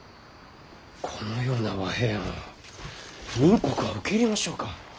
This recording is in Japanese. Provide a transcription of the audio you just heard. このような和平案を明国は受け入れましょうか？